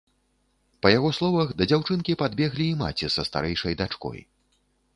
Па яго словах, да дзяўчынкі падбеглі і маці са старэйшай дачкой.